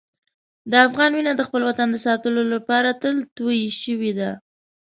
د افغان وینه د خپل وطن د ساتلو لپاره تل تویې شوې ده.